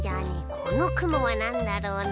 このくもはなんだろうな。